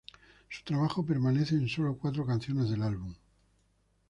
Su trabajo permanece en solo cuatro canciones del álbum.